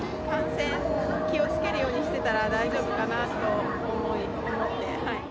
感染に気をつけるようにしてたら大丈夫かなと思って。